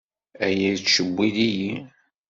Aya yettcewwil-iyi.